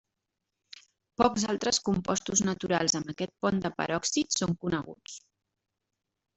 Pocs altres compostos naturals amb aquest pont de peròxid són coneguts.